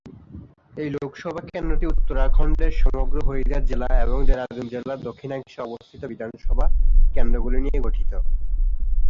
এই লোকসভা কেন্দ্রটি উত্তরাখণ্ডের সমগ্র হরিদ্বার জেলা এবং দেরাদুন জেলার দক্ষিণাংশে অবস্থিত বিধানসভা কেন্দ্রগুলি নিয়ে গঠিত।